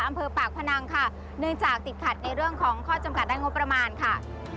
อำเภอปากพนังค่ะเนื่องจากติดขัดในเรื่องของข้อจำกัดด้านงบประมาณค่ะ